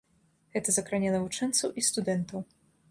Гэта закране навучэнцаў і студэнтаў.